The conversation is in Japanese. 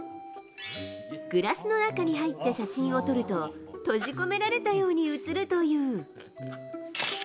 グラスの中に入って写真を撮ると、閉じ込められたように写るという。